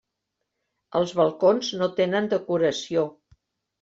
Els balcons no tenen decoració.